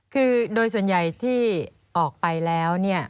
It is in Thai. คือด้วยส่วนใหญ่ที่ออกไปแล้ว